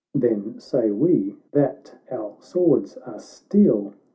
——" Then say we, that our swords are steel